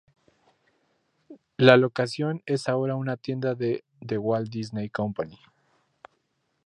La locación es ahora una tienda de The Walt Disney Company.